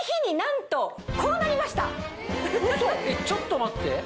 ちょっと待って。